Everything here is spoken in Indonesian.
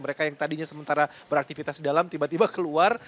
mereka yang tadinya sementara beraktivitas di dalam tiba tiba keluar